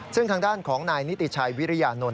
ซึ่งทางด้านของนายนิติชัยวิริยานนท